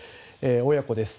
親子です。